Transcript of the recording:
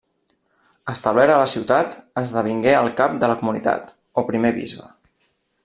Establert a la ciutat, esdevingué el cap de la comunitat, o primer bisbe.